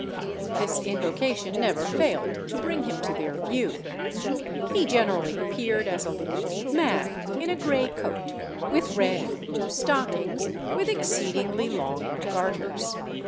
This invocation never failed to bring him to their view. He generally appeared as a little old man, in a grey coat, with red and blue stockings, with exceedingly long garters.